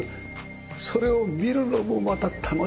それを見るのもまた楽しいですよね。